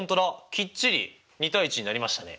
きっちり２：１になりましたね。